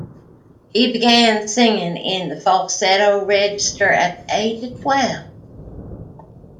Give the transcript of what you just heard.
He began singing in the falsetto register at the age of twelve.